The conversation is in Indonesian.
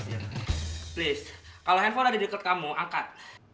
please kalo handphone ada di deket kamu angkat